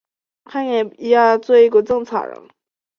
内务府正白旗满洲佐领下人。